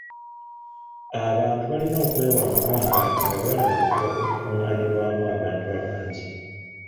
Abantu balina okwewa amabanga nga bali mu bifo ebikungaanirwamu abantu abangi.